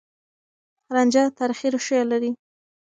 رانجه تاريخي ريښې لري.